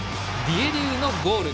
ディエディウのゴール。